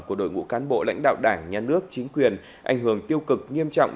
của đội ngũ cán bộ lãnh đạo đảng nhà nước chính quyền ảnh hưởng tiêu cực nghiêm trọng